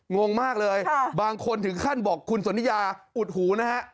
งงมากเลยบางคนถึงขั้นบอกคุณสนทิยาอุดหูนะฮะ